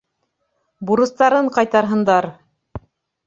— Бурыстарын ҡайтарһындар!